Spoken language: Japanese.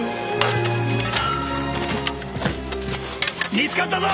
見つかったぞ！